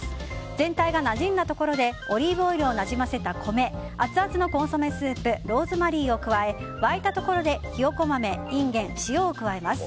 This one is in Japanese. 全体がなじんだところでオリーブオイルをなじませた米アツアツのコンソメスープローズマリーを加え沸いたところで、ヒヨコ豆インゲン、塩を加えます。